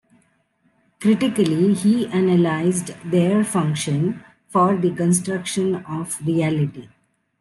Critically he analyzed their function for the construction of reality.